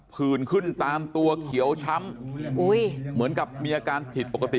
ผื่นขึ้นตามตัวเขียวช้ำเหมือนกับมีอาการผิดปกติ